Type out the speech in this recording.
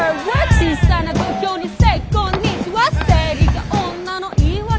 小さな土俵にｓａｙこんにちは生理が女の言い訳？